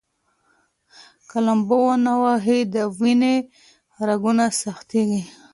که لامبو ونه ووهئ، د وینې رګونه سختېږي.